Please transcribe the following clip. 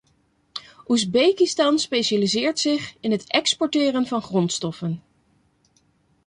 Oezbekistan specialiseert zich in het exporteren van grondstoffen.